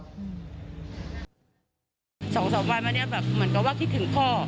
๒๒วันเมื่อเป็นัวจะคิดถึงพ่อ